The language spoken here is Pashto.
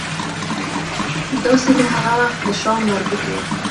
دا سیمې هغه وخت د شام مربوط وې.